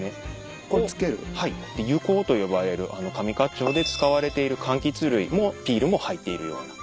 柚香と呼ばれる上勝町で使われているかんきつ類のピールも入っているような。